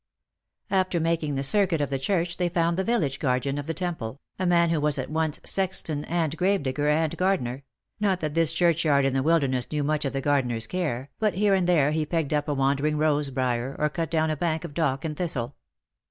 After making the circuit of the church they found the village guardian of the temple, a man who was at once sexton and gravedigger and gardener — not that this churchyard in the wilderness knew much of the gardener's care, but here and there he pegged up a wandering rose brier, or cut down a bank of dock and thistle.